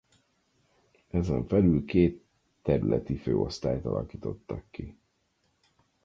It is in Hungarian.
Ezen belül két területi főosztályt alakítottak ki.